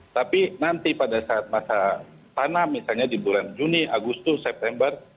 tapi nanti pada saat masa tanam misalnya di bulan juni agustus september